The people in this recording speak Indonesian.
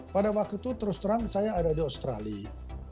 pada waktu itu terus terang saya ada di australia